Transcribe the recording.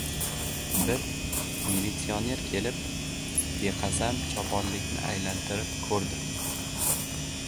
Bir militsioner kelib, beqasam choponlikni aylantirib ko‘rdi.